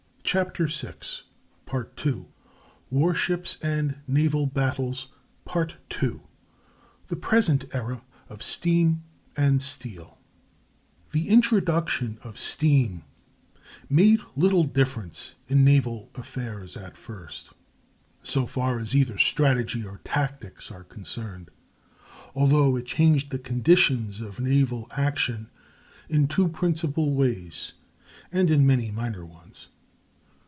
CHAPTER VI (Continued) WAR SHIPS AND NAVAL BATTLES PART II—THE PRESENT ERA OF STEAM AND STEEL The introduction of steam made little difference in naval affairs at first, so far as either strategy or tactics are concerned, although it changed the conditions of naval action in two principal ways and in many minor ones.